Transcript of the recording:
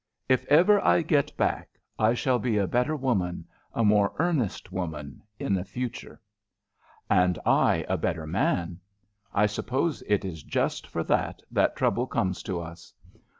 If ever I get back I shall be a better woman a more earnest woman in the future." "And I a better man. I suppose it is just for that that trouble comes to us.